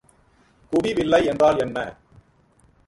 குவிவில்லை என்றால் என்ன?